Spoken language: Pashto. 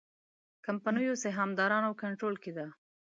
کمپنیو سهامدارانو کنټرول کې ده.